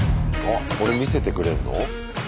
あこれ見せてくれんの？